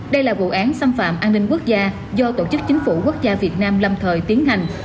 đây là vụ án xâm phạm an ninh quốc gia do tổ chức chính phủ quốc gia việt nam lâm thời tiến hành